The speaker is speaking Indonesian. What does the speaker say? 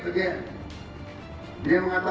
kok bangsa indonesia tidak berani mengatakan